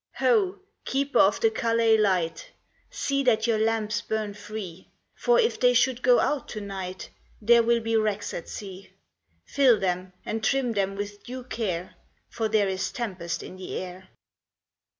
Ho, keeper of the Calais Light ! See that your lamps burn free ; For, if they should go out to night, There will be wrecks at sea. Fill them and trim them with due care, For there is tempest in the air.